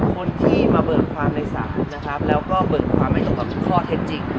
คนที่มาเบิกความในศาลนะครับแล้วก็เบิกความไม่ตรงกับข้อเท็จจริง